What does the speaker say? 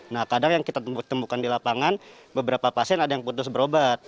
nah kadang yang kita temukan di lapangan beberapa pasien ada yang putus berobat